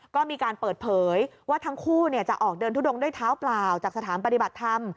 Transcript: ก็มีการเปิดเผยว่าทั้งคู่จะออกเดินทุดงด้วยเท้าเปล่าจากสถานปฏิบัติธรรม